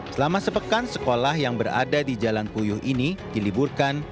selama sepekan sekolah yang berada di jalan puyuh ini diliburkan